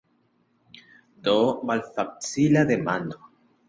Do, malfacila demando.